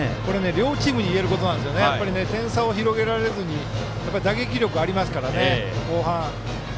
両チームにいえることですが点差を広げられずに打撃力がありますからね。